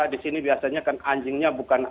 disini biasanya kan anjingnya bukan